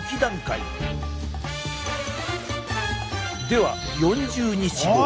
では４０日後。